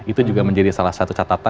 itu juga menjadi salah satu catatan